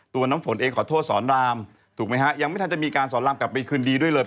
น้ำฝนเองขอโทษสอนรามถูกไหมฮะยังไม่ทันจะมีการสอนรามกลับไปคืนดีด้วยเลย